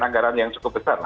anggaran yang cukup besar